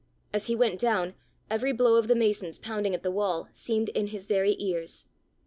As he went down, every blow of the masons pounding at the wall, seemed in his very ears.